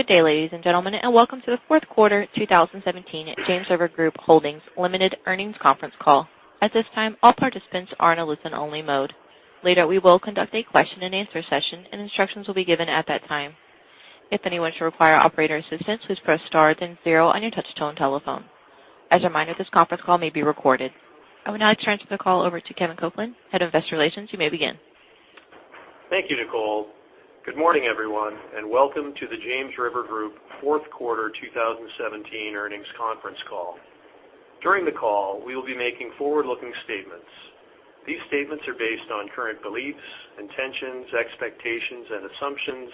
Good day, ladies and gentlemen, welcome to the fourth quarter 2017 James River Group Holdings, Ltd. earnings conference call. At this time, all participants are in a listen-only mode. Later, we will conduct a question-and-answer session, and instructions will be given at that time. If anyone should require operator assistance, please press star then zero on your touch-tone telephone. As a reminder, this conference call may be recorded. I will now turn the call over to Kevin Copeland, Head of Investor Relations. You may begin. Thank you, Nicole. Good morning, everyone, welcome to the James River Group fourth quarter 2017 earnings conference call. During the call, we will be making forward-looking statements. These statements are based on current beliefs, intentions, expectations, and assumptions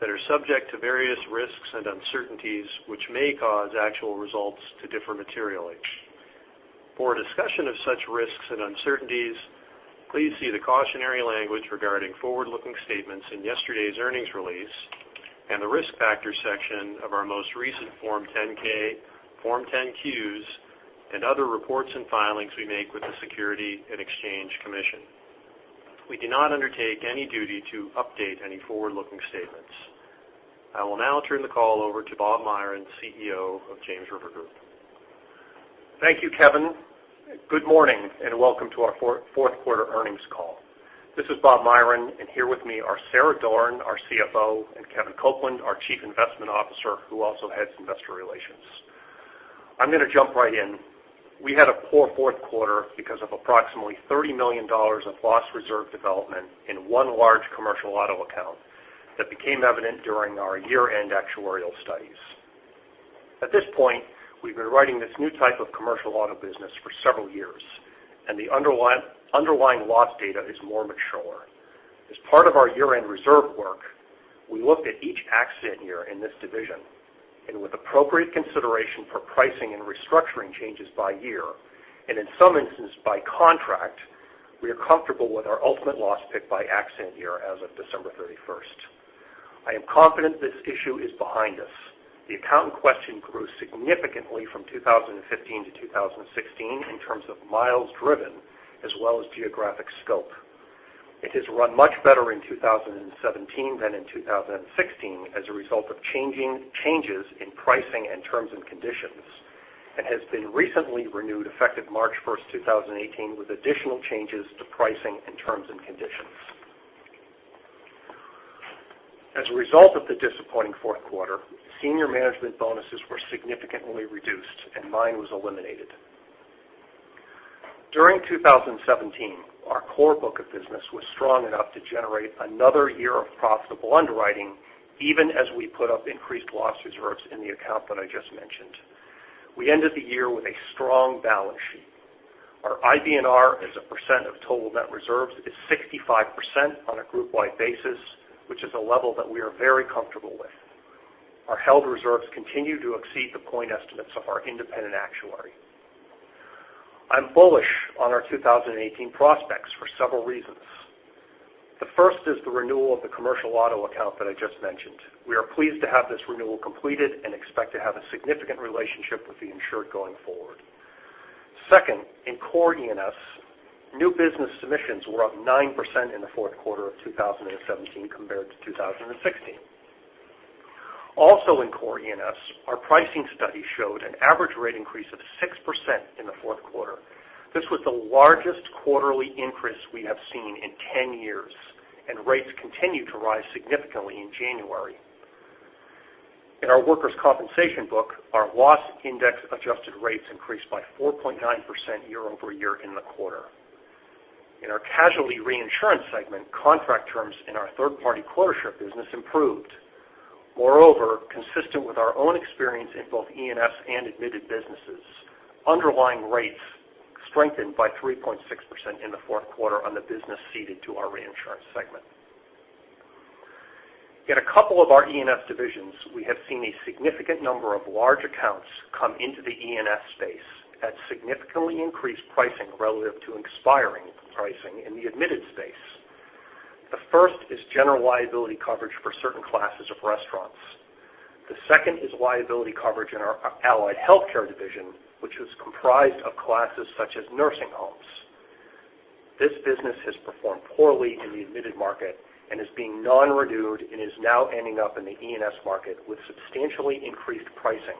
that are subject to various risks and uncertainties, which may cause actual results to differ materially. For a discussion of such risks and uncertainties, please see the cautionary language regarding forward-looking statements in yesterday's earnings release and the Risk Factors section of our most recent Form 10-K, Form 10-Qs, and other reports and filings we make with the Securities and Exchange Commission. We do not undertake any duty to update any forward-looking statements. I will now turn the call over to Bob Myron, CEO of James River Group. Thank you, Kevin. Good morning, welcome to our fourth quarter earnings call. This is Bob Myron, here with me are Sarah Doran, our CFO, and Kevin Copeland, our Chief Investment Officer, who also heads investor relations. I'm going to jump right in. We had a poor fourth quarter because of approximately $30 million of loss reserve development in one large commercial auto account that became evident during our year-end actuarial studies. At this point, we've been writing this new type of commercial auto business for several years, and the underlying loss data is more mature. As part of our year-end reserve work, we looked at each accident year in this division, and with appropriate consideration for pricing and restructuring changes by year, and in some instances by contract, we are comfortable with our ultimate loss pick by accident year as of December 31st. I am confident this issue is behind us. The account in question grew significantly from 2015 to 2016 in terms of miles driven as well as geographic scope. It has run much better in 2017 than in 2016 as a result of changes in pricing and terms and conditions and has been recently renewed effective March 1st, 2018, with additional changes to pricing and terms and conditions. As a result of the disappointing fourth quarter, senior management bonuses were significantly reduced, and mine was eliminated. During 2017, our core book of business was strong enough to generate another year of profitable underwriting, even as we put up increased loss reserves in the account that I just mentioned. We ended the year with a strong balance sheet. Our IBNR as a percent of total net reserves is 65% on a group-wide basis, which is a level that we are very comfortable with. Our held reserves continue to exceed the point estimates of our independent actuary. I'm bullish on our 2018 prospects for several reasons. The first is the renewal of the commercial auto account that I just mentioned. We are pleased to have this renewal completed and expect to have a significant relationship with the insurer going forward. Second, in core E&S, new business submissions were up 9% in the fourth quarter of 2017 compared to 2016. Also in core E&S, our pricing study showed an average rate increase of 6% in the fourth quarter. This was the largest quarterly increase we have seen in 10 years, and rates continued to rise significantly in January. In our workers' compensation book, our loss index adjusted rates increased by 4.9% year-over-year in the quarter. In our casualty reinsurance segment, contract terms in our third-party quota share business improved. Consistent with our own experience in both E&S and admitted businesses, underlying rates strengthened by 3.6% in the fourth quarter on the business ceded to our reinsurance segment. In a couple of our E&S divisions, we have seen a significant number of large accounts come into the E&S space at significantly increased pricing relative to expiring pricing in the admitted space. The first is general liability coverage for certain classes of restaurants. The second is liability coverage in our allied healthcare division, which is comprised of classes such as nursing homes. This business has performed poorly in the admitted market and is being non-renewed and is now ending up in the E&S market with substantially increased pricing,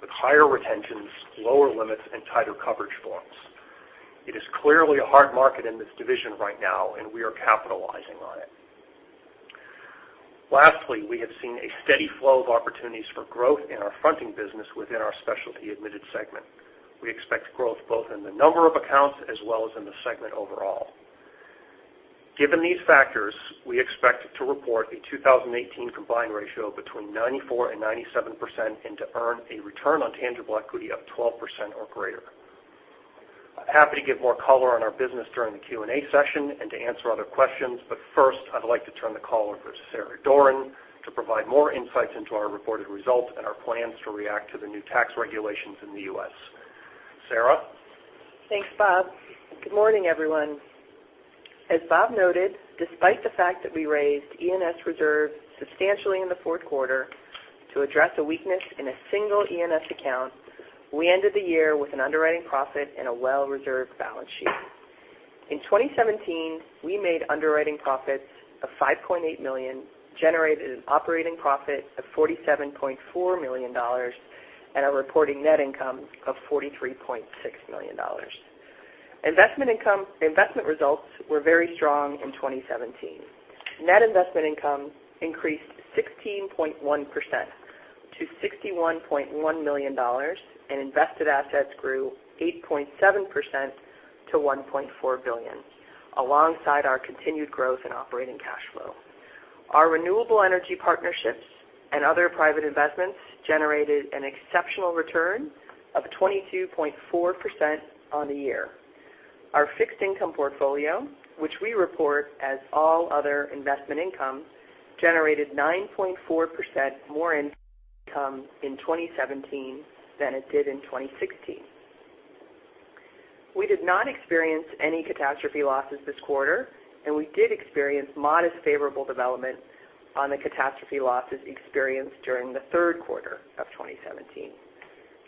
with higher retentions, lower limits, and tighter coverage forms. It is clearly a hard market in this division right now, and we are capitalizing on it. We have seen a steady flow of opportunities for growth in our fronting business within our Specialty Admitted segment. We expect growth both in the number of accounts as well as in the segment overall. Given these factors, we expect to report a 2018 combined ratio between 94%-97% and to earn a return on tangible equity of 12% or greater. I'm happy to give more color on our business during the Q&A session and to answer other questions. First, I'd like to turn the call over to Sarah Doran to provide more insights into our reported results and our plans to react to the new tax regulations in the U.S. Sarah? Thanks, Bob. Good morning, everyone. As Bob noted, despite the fact that we raised E&S reserves substantially in the fourth quarter to address a weakness in a single E&S account, we ended the year with an underwriting profit and a well-reserved balance sheet. In 2017, we made underwriting profits of $5.8 million, generated an operating profit of $47.4 million, and a reporting net income of $43.6 million. Investment results were very strong in 2017. Net investment income increased 16.1% to $61.1 million, and invested assets grew 8.7% to $1.4 billion, alongside our continued growth in operating cash flow. Our renewable energy partnerships and other private investments generated an exceptional return of 22.4% on the year. Our fixed income portfolio, which we report as all other investment income, generated 9.4% more income in 2017 than it did in 2016. We did not experience any catastrophe losses this quarter, and we did experience modest favorable development on the catastrophe losses experienced during the third quarter of 2017.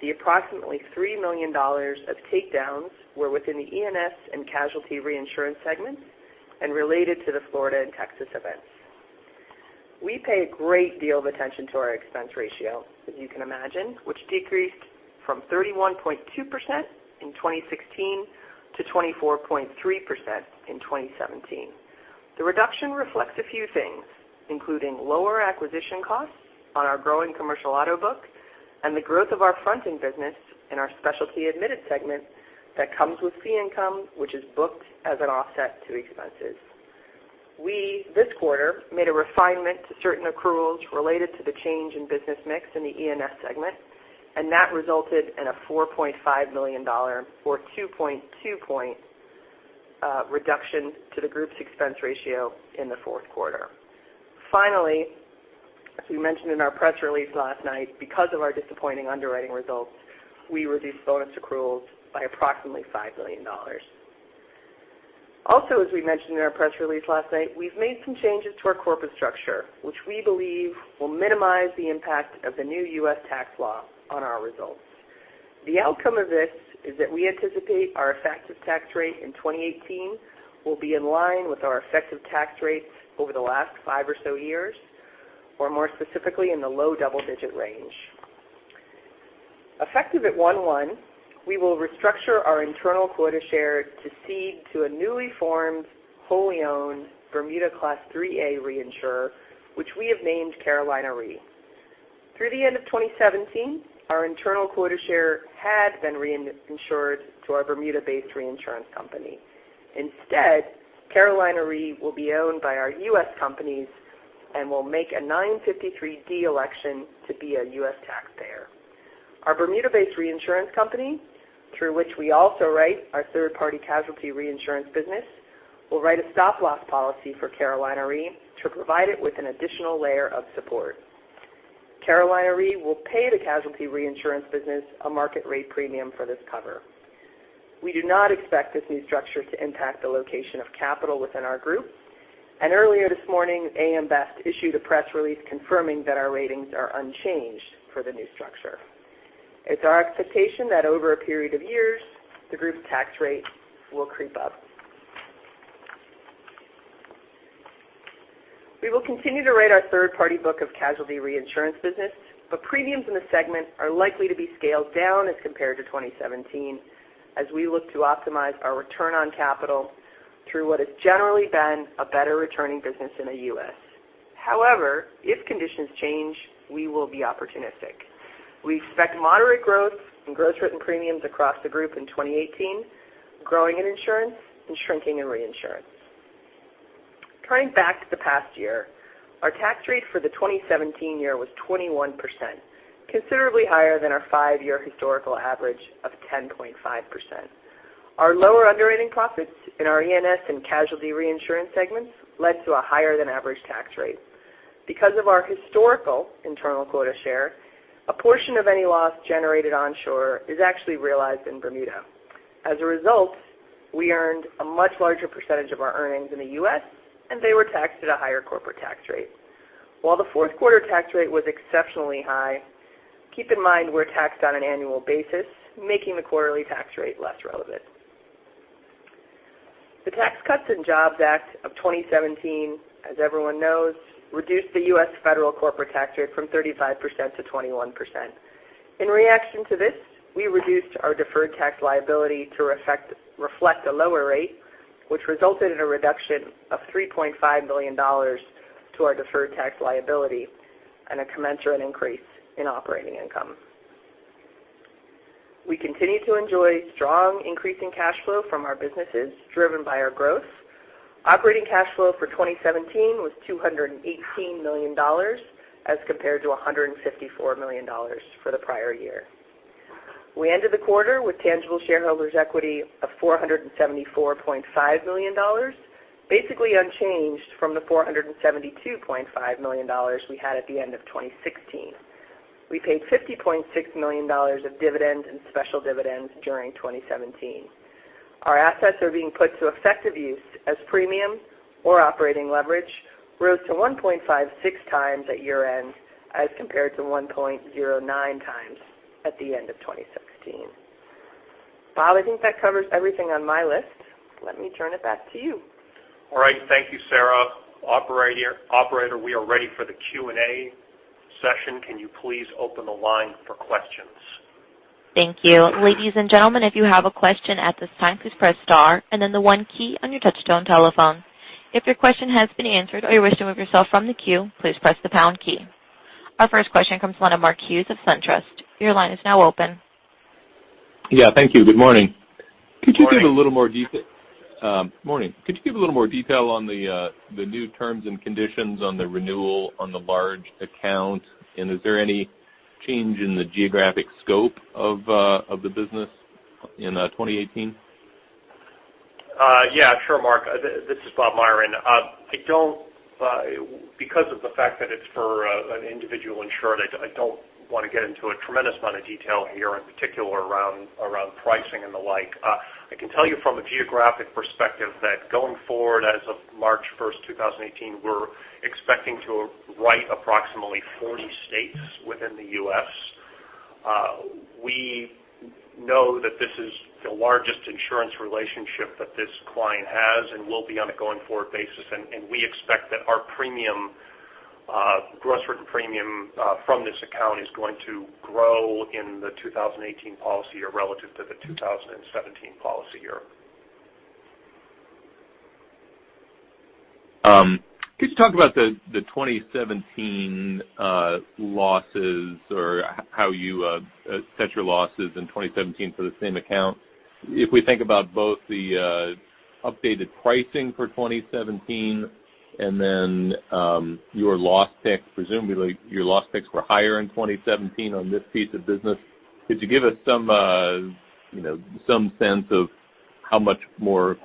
The approximately $3 million of takedowns were within the E&S and casualty reinsurance segments and related to the Florida and Texas events. We pay a great deal of attention to our expense ratio, as you can imagine, which decreased from 31.2% in 2016 to 24.3% in 2017. The reduction reflects a few things, including lower acquisition costs on our growing commercial auto book and the growth of our fronting business in our Specialty admitted segment that comes with fee income, which is booked as an offset to expenses. We, this quarter, made a refinement to certain accruals related to the change in business mix in the E&S segment, and that resulted in a $4.5 million or 2.2 point reduction to the group's expense ratio in the fourth quarter. As we mentioned in our press release last night, because of our disappointing underwriting results, we reduced bonus accruals by approximately $5 million. As we mentioned in our press release last night, we've made some changes to our corporate structure, which we believe will minimize the impact of the new U.S. tax law on our results. The outcome of this is that we anticipate our effective tax rate in 2018 will be in line with our effective tax rates over the last five or so years, or more specifically, in the low double-digit range. Effective at one-one, we will restructure our internal quota share to cede to a newly formed, wholly owned Bermuda Class 3A reinsurer, which we have named Carolina Re. Through the end of 2017, our internal quota share had been reinsured to our Bermuda-based reinsurance company. Carolina Re will be owned by our U.S. companies and will make a 953 election to be a U.S. taxpayer. Our Bermuda-based reinsurance company, through which we also write our third-party casualty reinsurance business, will write a stop loss policy for Carolina Re to provide it with an additional layer of support. Carolina Re will pay the casualty reinsurance business a market rate premium for this cover. We do not expect this new structure to impact the location of capital within our group. Earlier this morning, A.M. Best issued a press release confirming that our ratings are unchanged for the new structure. It's our expectation that over a period of years, the group's tax rate will creep up. We will continue to write our third-party book of casualty reinsurance business, but premiums in the segment are likely to be scaled down as compared to 2017 as we look to optimize our return on capital through what has generally been a better returning business in the U.S. However, if conditions change, we will be opportunistic. We expect moderate growth in gross written premiums across the group in 2018, growing in insurance and shrinking in reinsurance. Turning back to the past year, our tax rate for the 2017 year was 21%, considerably higher than our five-year historical average of 10.5%. Our lower underwriting profits in our E&S and casualty reinsurance segments led to a higher than average tax rate. Because of our historical internal quota share, a portion of any loss generated onshore is actually realized in Bermuda. As a result, we earned a much larger percentage of our earnings in the U.S., and they were taxed at a higher corporate tax rate. While the fourth quarter tax rate was exceptionally high, keep in mind we're taxed on an annual basis, making the quarterly tax rate less relevant. The Tax Cuts and Jobs Act of 2017, as everyone knows, reduced the U.S. federal corporate tax rate from 35% to 21%. In reaction to this, we reduced our deferred tax liability to reflect a lower rate, which resulted in a reduction of $3.5 million to our deferred tax liability and a commensurate increase in operating income. We continue to enjoy strong increasing cash flow from our businesses, driven by our growth. Operating cash flow for 2017 was $218 million as compared to $154 million for the prior year. We ended the quarter with tangible shareholders' equity of $474.5 million, basically unchanged from the $472.5 million we had at the end of 2016. We paid $50.6 million of dividends and special dividends during 2017. Our assets are being put to effective use as premium or operating leverage rose to 1.56 times at year-end as compared to 1.09 times. At the end of 2016. Bob, I think that covers everything on my list. Let me turn it back to you. All right. Thank you, Sarah. Operator, we are ready for the Q&A session. Can you please open the line for questions? Thank you. Ladies and gentlemen, if you have a question at this time, please press star and then the one key on your touch-tone telephone. If your question has been answered or you wish to remove yourself from the queue, please press the pound key. Our first question comes from the line of Mark Hughes of SunTrust. Your line is now open. Yeah, thank you. Good morning. Morning. Morning. Could you give a little more detail on the new terms and conditions on the renewal on the large account? Is there any change in the geographic scope of the business in 2018? Yeah, sure, Mark. This is Bob Myron. Because of the fact that it's for an individual insured, I don't want to get into a tremendous amount of detail here, in particular around pricing and the like. I can tell you from a geographic perspective that going forward as of March 1st, 2018, we're expecting to write approximately 40 states within the U.S. We know that this is the largest insurance relationship that this client has and will be on a going-forward basis. We expect that our gross written premium from this account is going to grow in the 2018 policy year relative to the 2017 policy year. Could you talk about the 2017 losses or how you set your losses in 2017 for the same account? If we think about both the updated pricing for 2017 and then your loss pick, presumably your loss picks were higher in 2017 on this piece of business. Could you give us some sense of how much more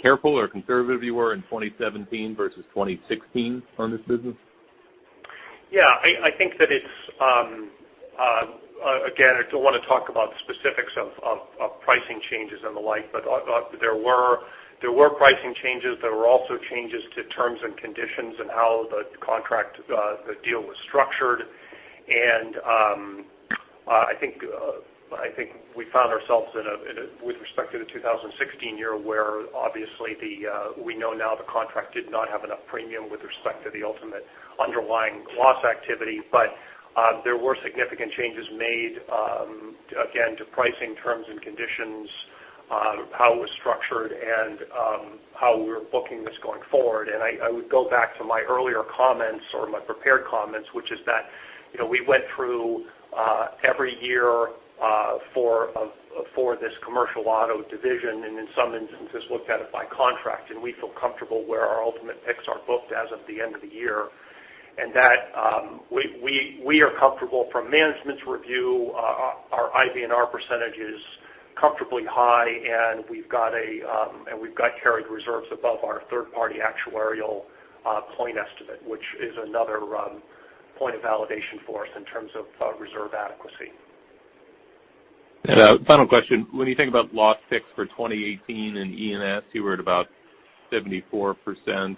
careful or conservative you were in 2017 versus 2016 on this business? Yeah, again, I don't want to talk about specifics of pricing changes and the like, but there were pricing changes. There were also changes to terms and conditions and how the contract, the deal was structured. I think we found ourselves with respect to the 2016 year where obviously we know now the contract did not have enough premium with respect to the ultimate underlying loss activity. There were significant changes made, again, to pricing terms and conditions, how it was structured, and how we were booking this going forward. I would go back to my earlier comments or my prepared comments, which is that we went through every year for this commercial auto division, and in some instances looked at it by contract, and we feel comfortable where our ultimate picks are booked as of the end of the year. That we are comfortable from management's review, our IBNR % is comfortably high, and we've got carried reserves above our third-party actuarial point estimate, which is another point of validation for us in terms of reserve adequacy. A final question. When you think about loss picks for 2018 in E&S, you were at about 74%,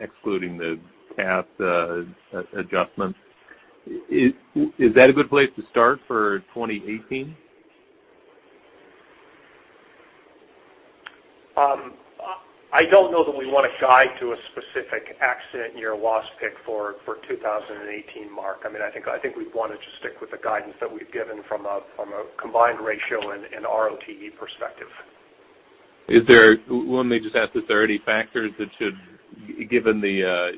excluding the CAY adjustments. Is that a good place to start for 2018? I don't know that we want to guide to a specific accident year loss pick for 2018, Mark. I think we want to just stick with the guidance that we've given from a combined ratio and ROTE perspective. Let me just ask if there are any factors that should, given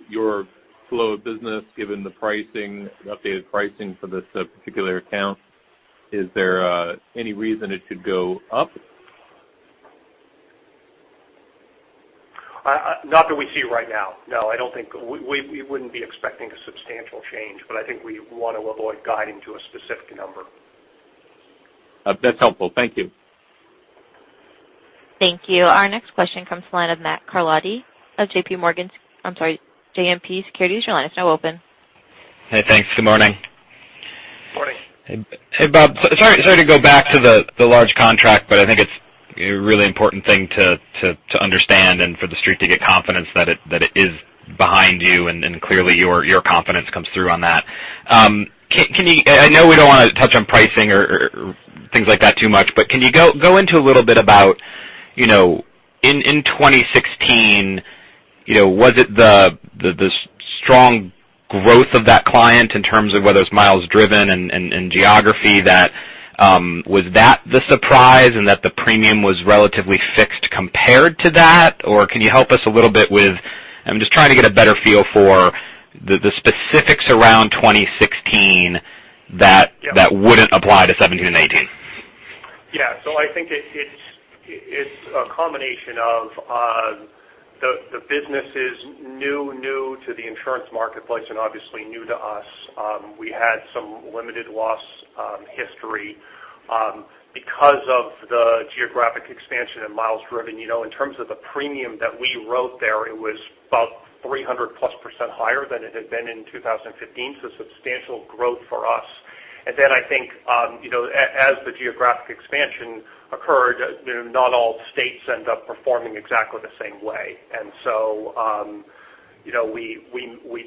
your flow of business, given the updated pricing for this particular account, is there any reason it should go up? Not that we see right now. No, we wouldn't be expecting a substantial change, but I think we want to avoid guiding to a specific number. That's helpful. Thank you. Thank you. Our next question comes the line of Matthew Carletti of JP Morgan. I'm sorry, JMP Securities. Your line is now open. Hey, thanks. Good morning. Morning. Hey, Bob, sorry to go back to the large contract, but I think it's a really important thing to understand and for the Street to get confidence that it is behind you, and clearly your confidence comes through on that. I know we don't want to touch on pricing or things like that too much, but can you go into a little bit about in 2016, was it the strong growth of that client in terms of whether it's miles driven and geography, was that the surprise and that the premium was relatively fixed compared to that? Or can you help us a little bit with, I'm just trying to get a better feel for the specifics around 2016 that wouldn't apply to 2017 and 2018. Yeah. I think it's a combination of the business is new to the insurance marketplace and obviously new to us. We had some limited loss history because of the geographic expansion and miles driven. In terms of the premium that we wrote there, it was about 300%-plus higher than it had been in 2015, substantial growth for us. I think as the geographic expansion occurred, not all states end up performing exactly the same way. We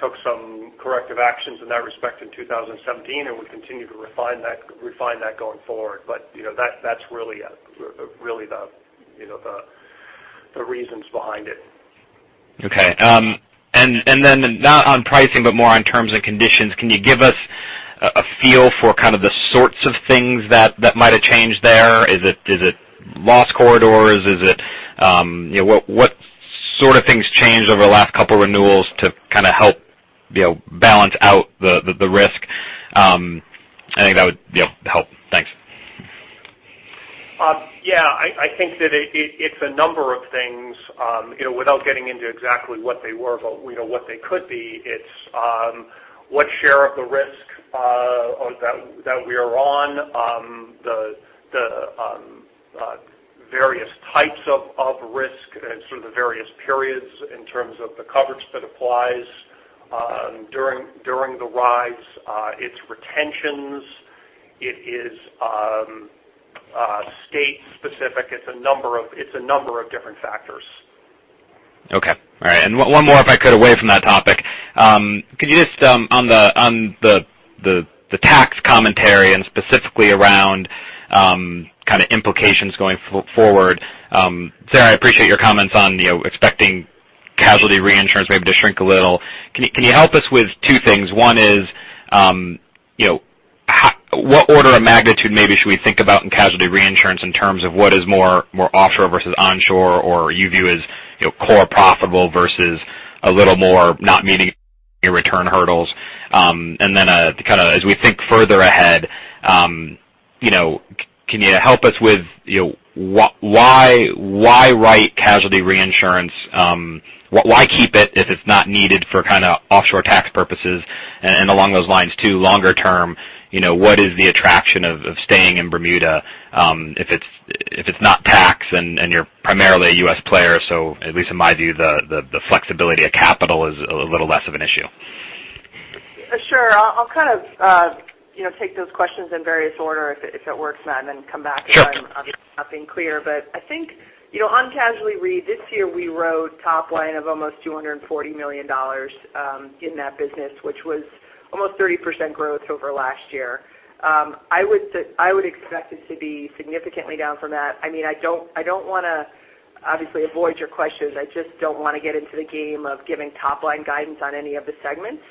took some corrective actions in that respect in 2017, and we continue to refine that going forward. That's really the reasons behind it. Okay. Not on pricing, but more on terms and conditions. Can you give us a feel for kind of the sorts of things that might have changed there? Is it loss corridors? What sort of things changed over the last couple renewals to kind of help balance out the risk? I think that would help. Thanks. Yeah. I think that it's a number of things, without getting into exactly what they were, but what they could be, it's what share of the risk that we are on, the various types of risk through the various periods in terms of the coverage that applies during the rides. It's retentions. It is state specific. It's a number of different factors. Okay. All right. One more, if I could, away from that topic. Can you just, on the tax commentary and specifically around kind of implications going forward. Sarah, I appreciate your comments on expecting casualty reinsurance maybe to shrink a little. Can you help us with two things? One is, what order of magnitude maybe should we think about in casualty reinsurance in terms of what is more offshore versus onshore, or you view as core profitable versus a little more not meeting your return hurdles? As we think further ahead, can you help us with why write casualty reinsurance? Why keep it if it's not needed for kind of offshore tax purposes? Along those lines too, longer term, what is the attraction of staying in Bermuda if it's not tax and you're primarily a U.S. player? At least in my view, the flexibility of capital is a little less of an issue. Sure. I'll kind of take those questions in various order, if it works, Matt, and then come back if I'm not being clear. I think on casualty re, this year, we wrote top line of almost $240 million in that business, which was almost 30% growth over last year. I would expect it to be significantly down from that. I don't want to obviously avoid your questions. I just don't want to get into the game of giving top-line guidance on any of the segments.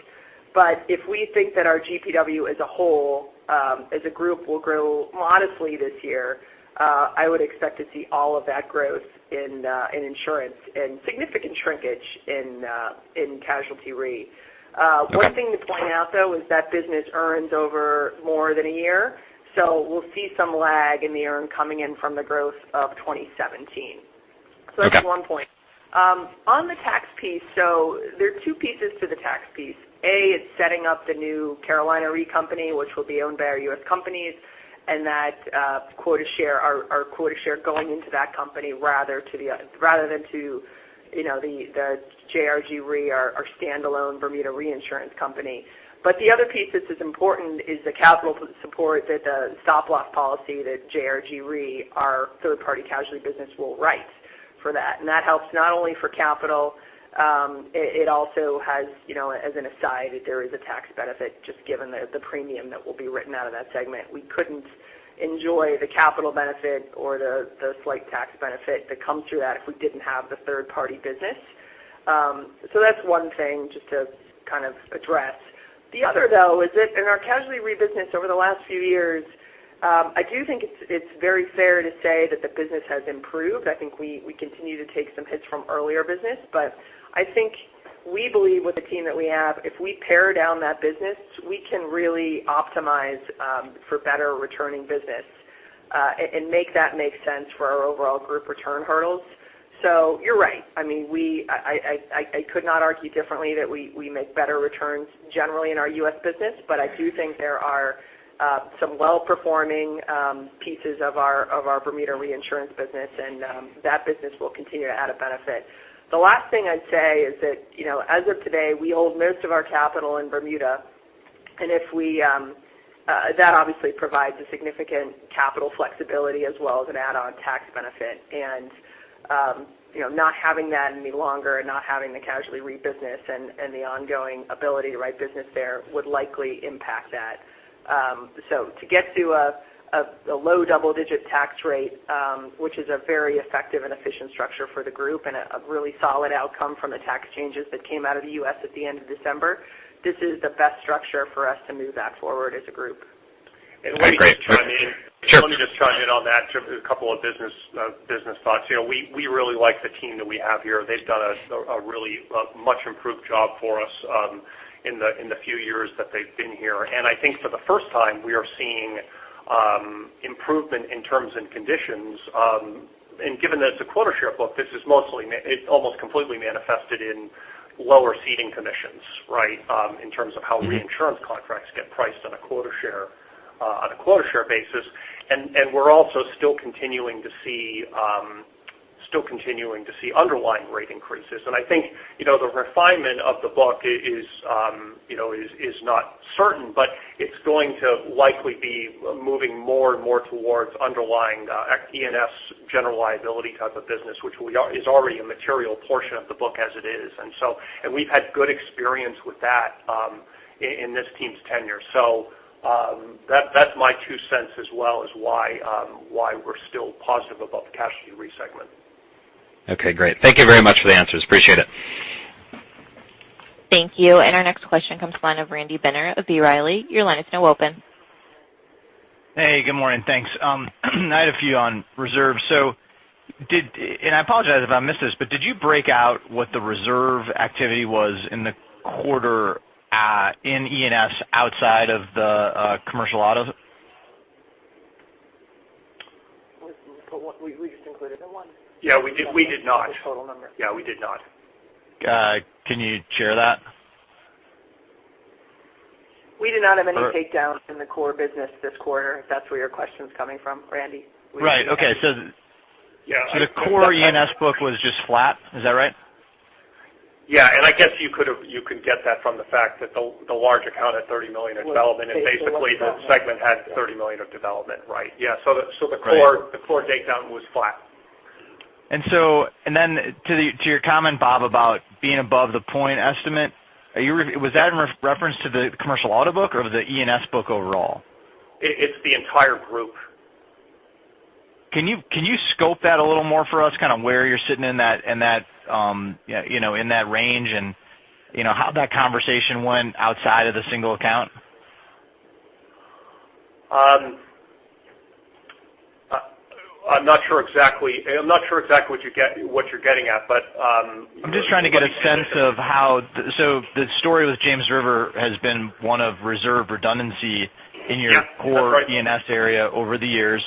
If we think that our GPW as a whole, as a group, will grow modestly this year, I would expect to see all of that growth in insurance and significant shrinkage in casualty re. One thing to point out, though, is that business earns over more than a year, so we'll see some lag in the earn coming in from the growth of 2017. That's one point. On the tax piece, there are two pieces to the tax piece. A, it's setting up the new Carolina Re company, which will be owned by our U.S. companies, and our quota share going into that company rather than to the JRG Re, our standalone Bermuda reinsurance company. The other piece that's as important is the capital support that the stop loss policy that JRG Re, our third party casualty business will write for that. That helps not only for capital, it also has, as an aside, there is a tax benefit just given the premium that will be written out of that segment. We couldn't enjoy the capital benefit or the slight tax benefit that comes through that if we didn't have the third party business. That's one thing just to kind of address. The other, though, is that in our casualty re business over the last few years, I do think it's very fair to say that the business has improved. I think we continue to take some hits from earlier business. I think we believe with the team that we have, if we pare down that business, we can really optimize for better returning business, and make that make sense for our overall group return hurdles. You're right. I could not argue differently that we make better returns generally in our U.S. business. I do think there are some well-performing pieces of our Bermuda reinsurance business, and that business will continue to add a benefit. The last thing I'd say is that as of today, we hold most of our capital in Bermuda, and that obviously provides a significant capital flexibility as well as an add-on tax benefit. Not having that any longer and not having the casualty re business and the ongoing ability to write business there would likely impact that. To get to a low double-digit tax rate, which is a very effective and efficient structure for the group and a really solid outcome from the tax changes that came out of the U.S. at the end of December, this is the best structure for us to move that forward as a group. Okay, great. Let me just chime in on that. Just a couple of business thoughts. We really like the team that we have here. They've done a really much improved job for us in the few years that they've been here. I think for the first time, we are seeing improvement in terms and conditions. Given that it's a quota share book, this is mostly, it almost completely manifested in lower ceding commissions, right? In terms of how reinsurance contracts get priced on a quota share basis. We're also still continuing to see underlying rate increases. I think the refinement of the book is not certain, but it's going to likely be moving more and more towards underlying E&S General Liability type of business, which is already a material portion of the book as it is. We've had good experience with that in this team's tenure. That's my two cents as well is why we're still positive about the casualty segment. Okay, great. Thank you very much for the answers. Appreciate it. Thank you. Our next question comes from the line of Randy Binner of B. Riley. Your line is now open. Hey, good morning. Thanks. I had a few on reserve. I apologize if I missed this, but did you break out what the reserve activity was in the quarter in E&S outside of the commercial auto? We just included it in one. Yeah, we did not. The total number. Yeah, we did not. Can you share that? We do not have any takedowns in the core business this quarter, if that's where your question's coming from, Randy. Right. Okay. Yeah The core E&S book was just flat. Is that right? Yeah. I guess you could get that from the fact that the large account had $30 million in development, and basically the segment had $30 million of development. Right. Yeah. Right core takedown was flat. To your comment, Bob, about being above the point estimate, was that in reference to the commercial auto book or the E&S book overall? It's the entire group. Can you scope that a little more for us, kind of where you're sitting in that range, and how that conversation went outside of the single account? I'm not sure exactly what you're getting at. I'm just trying to get a sense of how the story with James River has been one of reserve redundancy in your. Yeah. That's right. core E&S area over the years.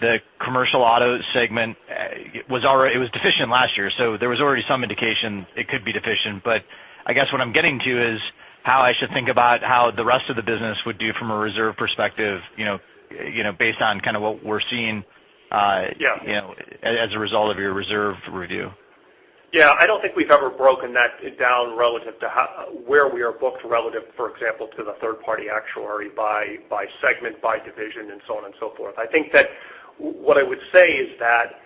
The commercial auto segment, it was deficient last year, so there was already some indication it could be deficient. I guess what I'm getting to is how I should think about how the rest of the business would do from a reserve perspective based on kind of what we're seeing. Yeah as a result of your reserve review. Yeah. I don't think we've ever broken that down relative to where we are booked relative, for example, to the third party actuary by segment, by division, and so on and so forth. I think that what I would say is that,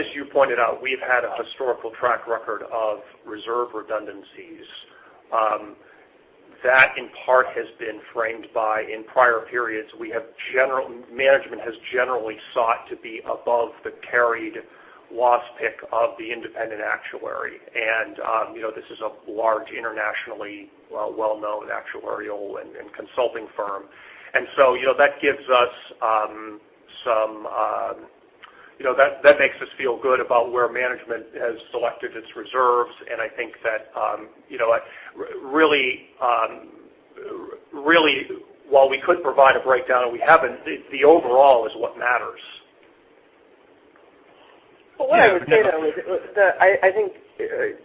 as you pointed out, we've had a historical track record of reserve redundancies. That in part has been framed by, in prior periods, management has generally sought to be above the carried loss pick of the independent actuary. This is a large, internationally well-known actuarial and consulting firm. That makes us feel good about where management has selected its reserves, and I think that really, while we could provide a breakdown and we haven't, the overall is what matters. Well, what I would say, though, is I think,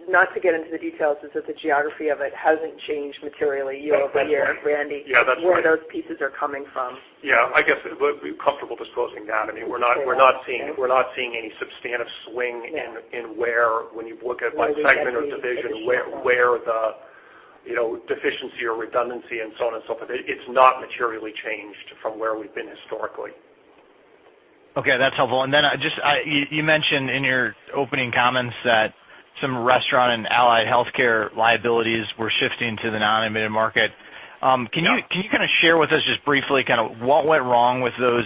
not to get into the details, is that the geography of it hasn't changed materially year over year. That's right. Randy. Yeah, that's right. Where those pieces are coming from. Yeah, I guess we're comfortable disclosing that. We're not seeing any substantive swing. Yeah in where, when you look at by segment or division. Where we've where the deficiency or redundancy and so on and so forth. It's not materially changed from where we've been historically. Okay, that's helpful. Then you mentioned in your opening comments that some restaurant and allied healthcare liabilities were shifting to the non-admitted market. Yeah. Can you kind of share with us just briefly, kind of what went wrong with those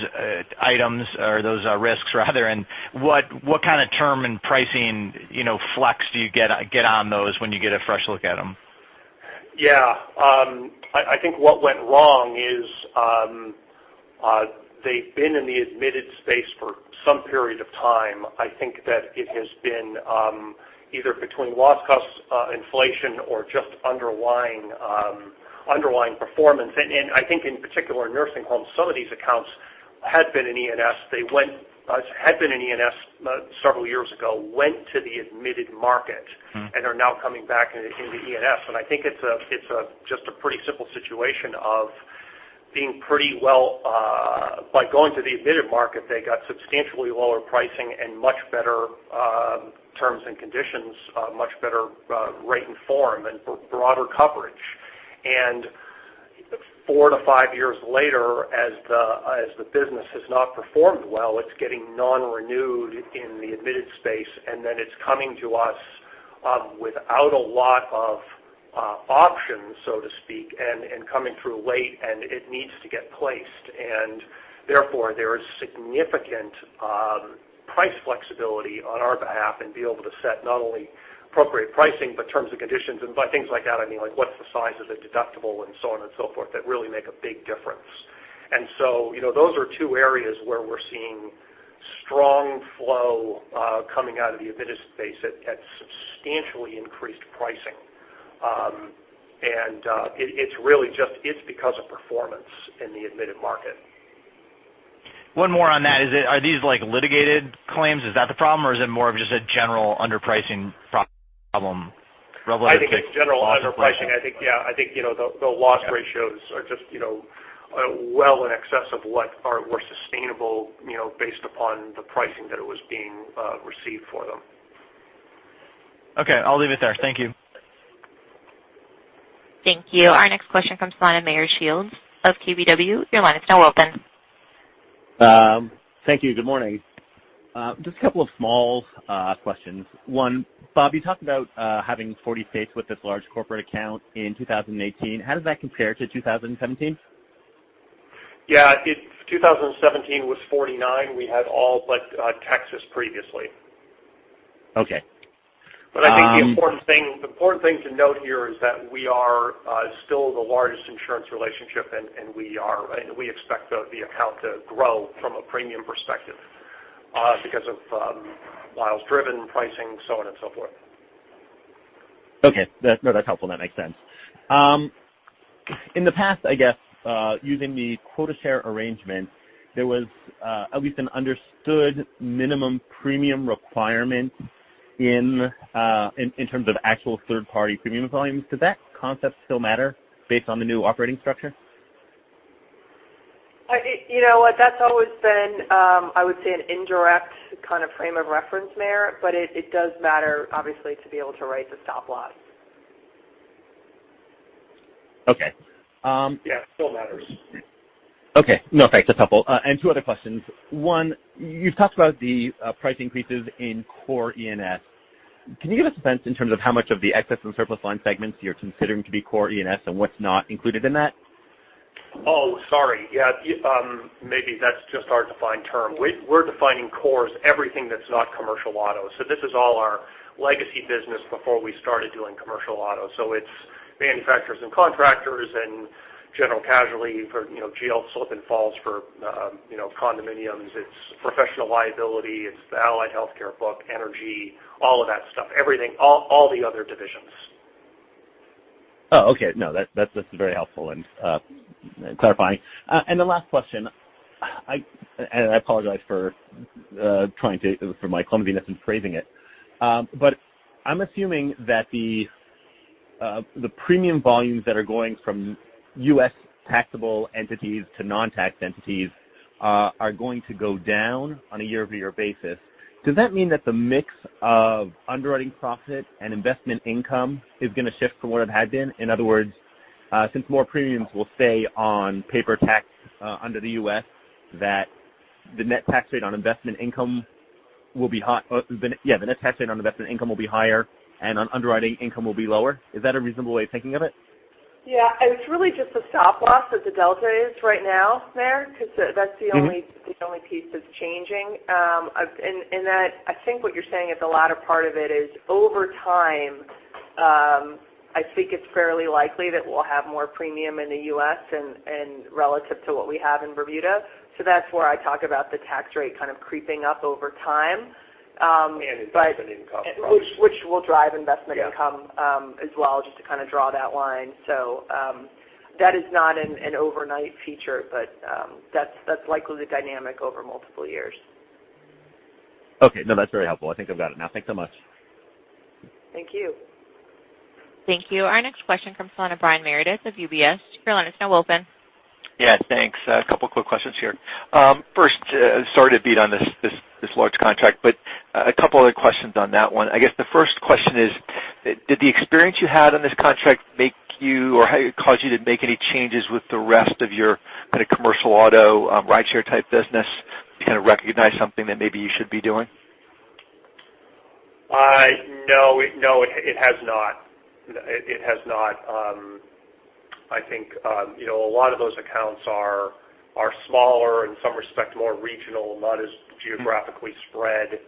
items, or those risks rather, and what kind of term and pricing flex do you get on those when you get a fresh look at them? Yeah. I think what went wrong is they've been in the admitted space for some period of time. I think that it has been either between loss costs, inflation, or just underlying performance. I think in particular, in nursing homes, some of these accounts had been in E&S several years ago, went to the admitted market. They are now coming back into E&S. I think it's just a pretty simple situation of being pretty well. By going to the admitted market, they got substantially lower pricing and much better terms and conditions, much better rate and form, and broader coverage. Four to five years later, as the business has not performed well, it's getting non-renewed in the admitted space, it's coming to us without a lot of options, so to speak, coming through late, and it needs to get placed. Therefore, there is significant price flexibility on our behalf and be able to set not only appropriate pricing, but terms and conditions and by things like that, I mean, like what's the size of the deductible and so on and so forth that really make a big difference. Those are two areas where we're seeing strong flow coming out of the admitted space at substantially increased pricing. It's because of performance in the admitted market. One more on that. Are these litigated claims? Is that the problem, or is it more of just a general underpricing problem related to loss ratio? I think it's general underpricing. I think, yeah. I think the loss ratios are just well in excess of what were sustainable based upon the pricing that was being received for them. Okay. I'll leave it there. Thank you. Thank you. Our next question comes from Meyer Shields of KBW. Your line is now open. Thank you. Good morning. Just a couple of small questions. One, Bob, you talked about having 40 states with this large corporate account in 2018. How does that compare to 2017? Yeah. 2017 was 49. We had all but Texas previously. Okay. I think the important thing to note here is that we are still the largest insurance relationship, and we expect the account to grow from a premium perspective because of miles driven pricing, so on and so forth. Okay. No, that's helpful. That makes sense. In the past, I guess, using the quota share arrangement, there was at least an understood minimum premium requirement in terms of actual third-party premium volumes. Does that concept still matter based on the new operating structure? That's always been, I would say, an indirect kind of frame of reference, Meyer, but it does matter, obviously, to be able to write the stop loss. Okay. Yeah, it still matters. Okay. No, thanks a couple. Two other questions. One, you've talked about the price increases in core E&S. Can you give us a sense in terms of how much of the Excess and Surplus Lines segments you're considering to be core E&S and what's not included in that? Oh, sorry. Yeah. Maybe that's just our defined term. We're defining core as everything that's not commercial auto. This is all our legacy business before we started doing commercial auto. It's manufacturers and contractors and general casualty for GL slip and falls for condominiums. It's professional liability. It's the allied healthcare book, energy, all of that stuff. Everything, all the other divisions. Oh, okay. No, that's very helpful and clarifying. The last question, and I apologize for my clumsiness in phrasing it. I'm assuming that the premium volumes that are going from U.S. taxable entities to non-taxed entities are going to go down on a year-over-year basis. Does that mean that the mix of underwriting profit and investment income is going to shift from what it had been? In other words, since more premiums will stay on paper tax under the U.S., that the net tax rate on investment income will be higher, and on underwriting income will be lower. Is that a reasonable way of thinking of it? Yeah. It's really just the stop loss that the delta is right now, Meyer, because that's the only piece that's changing. I think what you're saying at the latter part of it is, over time, I think it's fairly likely that we'll have more premium in the U.S. and relative to what we have in Bermuda. That's where I talk about the tax rate kind of creeping up over time. Investment income probably. Which will drive investment income as well, just to kind of draw that line. That is not an overnight feature, but that's likely the dynamic over multiple years. Okay. No, that's very helpful. I think I've got it now. Thanks so much. Thank you. Thank you. Our next question comes from the line of Brian Meredith of UBS. Your line is now open. Yeah. Thanks. A couple of quick questions here. First, sorry to beat on this large contract, but a couple other questions on that one. I guess the first question is, did the experience you had on this contract make you or cause you to make any changes with the rest of your kind of commercial auto, rideshare type business, kind of recognize something that maybe you should be doing? No, it has not. I think a lot of those accounts are smaller, in some respect, more regional, not as geographically spread.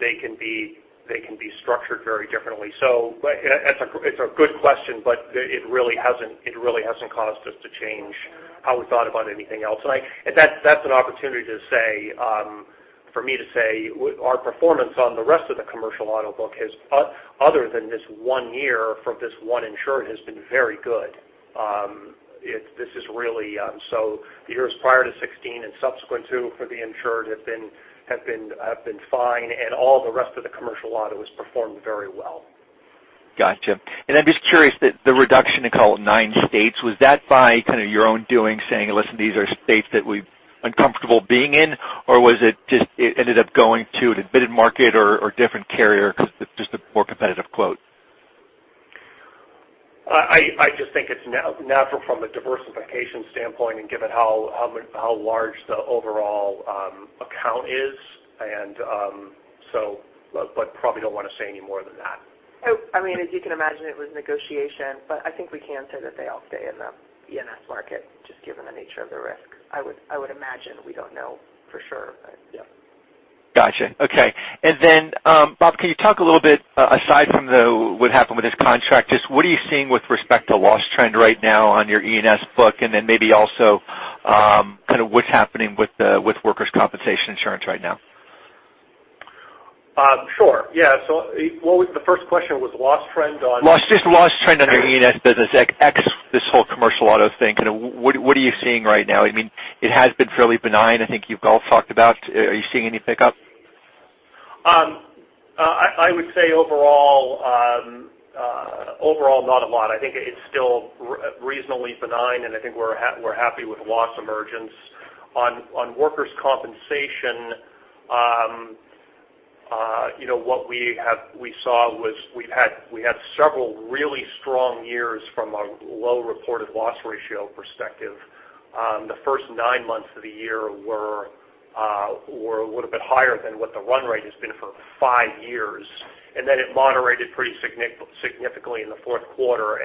They can be structured very differently. It's a good question, but it really hasn't caused us to change how we thought about anything else. That's an opportunity for me to say our performance on the rest of the commercial auto book, other than this one year for this one insurer, has been very good. The years prior to 2016 and subsequent to for the insured have been fine, and all the rest of the commercial auto has performed very well. Got you. I'm just curious that the reduction in call it nine states, was that by kind of your own doing, saying, "Listen, these are states that we're uncomfortable being in," or was it just it ended up going to an admitted market or different carrier because it's just a more competitive quote? I just think it's natural from a diversification standpoint and given how large the overall account is. Probably don't want to say any more than that. As you can imagine, it was negotiation, I think we can say that they all stay in the E&S market, just given the nature of the risk. I would imagine. We don't know for sure, yeah. Got you. Okay. Bob, can you talk a little bit, aside from what happened with this contract, just what are you seeing with respect to loss trend right now on your E&S book? Maybe also kind of what's happening with workers' compensation insurance right now? Sure. Yeah. What was the first question, was loss trend on- Just loss trend on your E&S business, X, this whole commercial auto thing. What are you seeing right now? It has been fairly benign, I think you've both talked about. Are you seeing any pickup? I would say overall, not a lot. I think it's still reasonably benign, and I think we're happy with loss emergence. On workers' compensation What we saw was we had several really strong years from a low reported loss ratio perspective. The first nine months of the year were a little bit higher than what the run rate has been for five years, then it moderated pretty significantly in the fourth quarter.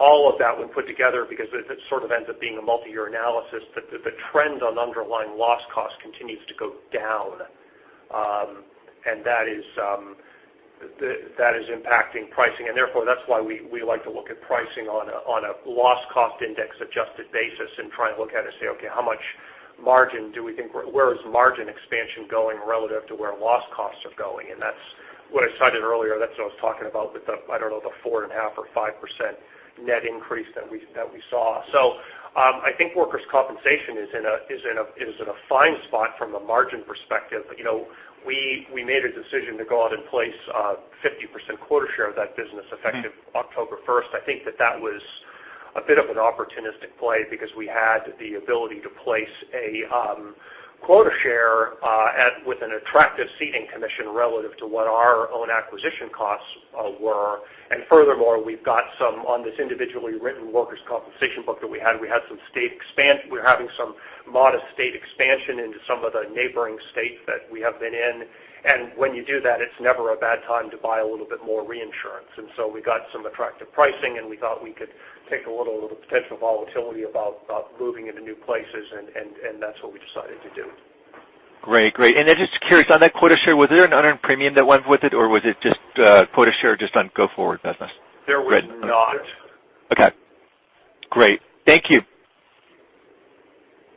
All of that when put together, because it sort of ends up being a multi-year analysis, the trend on underlying loss cost continues to go down. That is impacting pricing. Therefore, that's why we like to look at pricing on a loss cost index adjusted basis and try and look at it and say, "Okay, where is margin expansion going relative to where loss costs are going?" That's what I cited earlier. That's what I was talking about with the, I don't know, the 4.5% or 5% net increase that we saw. I think workers' compensation is in a fine spot from a margin perspective. We made a decision to go out and place a 50% quota share of that business effective October 1st. I think that was a bit of an opportunistic play because we had the ability to place a quota share with an attractive ceding commission relative to what our own acquisition costs were. Furthermore, we've got some on this individually written workers' compensation book that we had. We're having some modest state expansion into some of the neighboring states that we have been in. When you do that, it's never a bad time to buy a little bit more reinsurance. We got some attractive pricing, and we thought we could take a little of the potential volatility about moving into new places, and that's what we decided to do. Great. Just curious, on that quota share, was there an unearned premium that went with it, or was it just quota share just on go forward business? There was not. Okay, great. Thank you.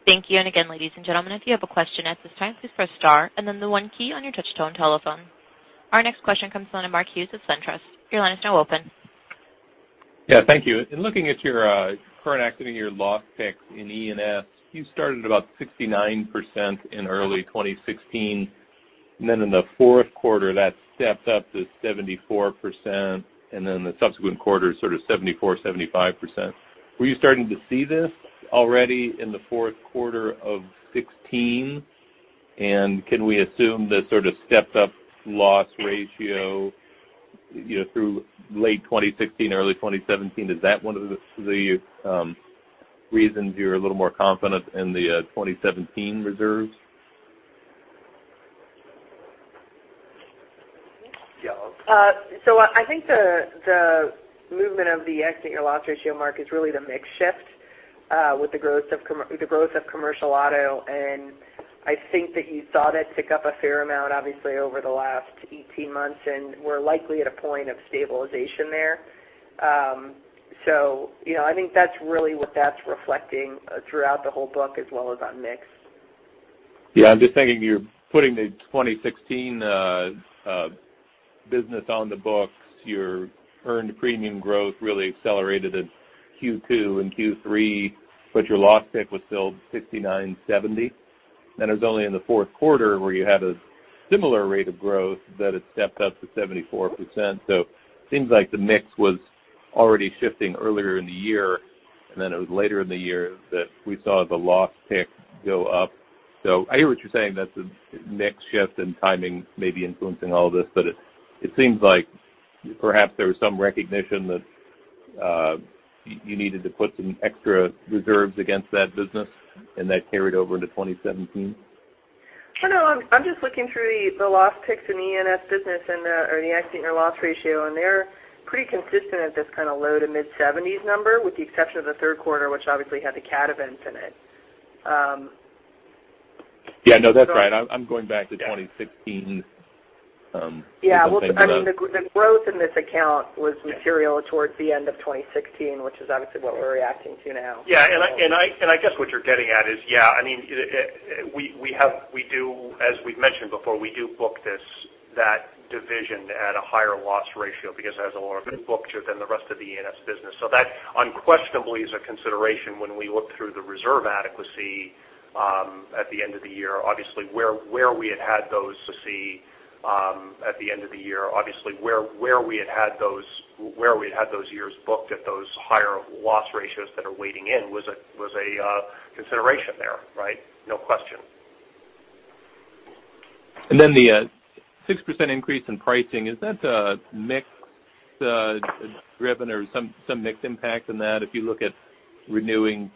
Thank you. Again, ladies and gentlemen, if you have a question at this time, please press star and then the one key on your touchtone telephone. Our next question comes from the line of Mark Hughes of SunTrust. Your line is now open. Yeah, thank you. In looking at your current accident year loss picks in E&S, you started about 69% in early 2016. In the fourth quarter, that stepped up to 74%. Then the subsequent quarter, sort of 74%, 75%. Were you starting to see this already in the fourth quarter of 2016? Can we assume the sort of stepped up loss ratio through late 2016, early 2017, is that one of the reasons you're a little more confident in the 2017 reserves? Yeah. I think the movement of the accident year loss ratio, Mark, is really the mix shift with the growth of commercial auto. I think that you saw that tick up a fair amount, obviously, over the last 18 months, and we're likely at a point of stabilization there. I think that's really what that's reflecting throughout the whole book as well as on mix. Yeah, I'm just thinking you're putting the 2016 business on the books. Your earned premium growth really accelerated in Q2 and Q3, your loss pick was still 69/70. It was only in the fourth quarter where you had a similar rate of growth that it stepped up to 74%. Seems like the mix was already shifting earlier in the year. It was later in the year that we saw the loss pick go up. I hear what you're saying, that the mix shift and timing may be influencing all this. It seems like perhaps there was some recognition that you needed to put some extra reserves against that business and that carried over into 2017. No, I'm just looking through the loss picks in E&S business or the accident year loss ratio, and they're pretty consistent at this kind of low to mid-70s number with the exception of the third quarter, which obviously had the cat events in it. Yeah, no, that's right. I'm going back to 2016. Yeah. Well, the growth in this account was material towards the end of 2016, which is obviously what we're reacting to now. Yeah, I guess what you're getting at is. As we've mentioned before, we do book that division at a higher loss ratio because it has a lower book than the rest of the E&S business. That unquestionably is a consideration when we look through the reserve adequacy at the end of the year. Obviously, where we had had those years booked at those higher loss ratios that are weighting in was a consideration there, right? No question. The 6% increase in pricing, is that mix driven or some mix impact in that if you look at renewing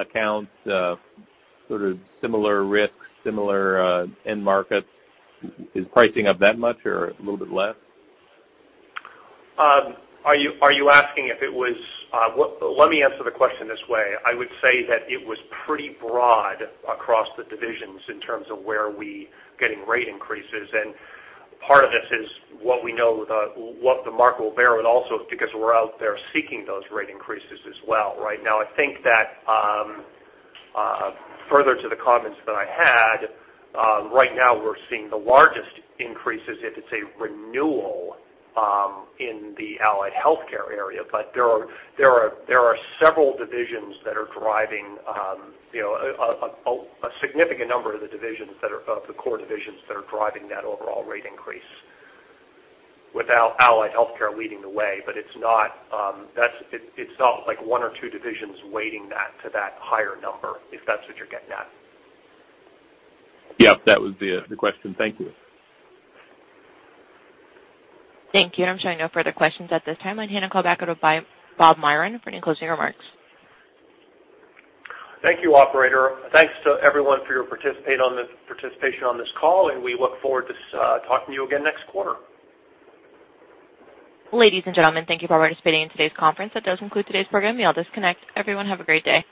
accounts, sort of similar risks, similar end markets? Is pricing up that much or a little bit less? Are you asking? Let me answer the question this way. I would say that it was pretty broad across the divisions in terms of where we're getting rate increases. Part of this is what we know what the market will bear, and also because we're out there seeking those rate increases as well, right? I think that further to the comments that I had, right now we're seeing the largest increases if it's a renewal in the Allied Healthcare area. There are several divisions that are driving a significant number of the core divisions that are driving that overall rate increase without Allied Healthcare leading the way. It's not like one or two divisions weighting that to that higher number, if that's what you're getting at. Yep, that was the question. Thank you. Thank you. I'm showing no further questions at this time. I'll hand the call back over to Bob Myron for any closing remarks. Thank you, operator. Thanks to everyone for your participation on this call. We look forward to talking to you again next quarter. Ladies and gentlemen, thank you for participating in today's conference. That does conclude today's program. You may all disconnect. Everyone, have a great day.